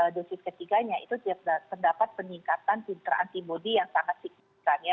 dosis ketiganya itu terdapat peningkatan sinterantimodi yang sangat signifikan